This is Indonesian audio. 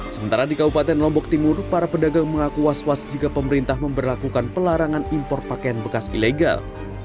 sementara di kabupaten lombok timur para pedagang mengaku was was jika pemerintah memperlakukan pelarangan impor pakaian bekas ilegal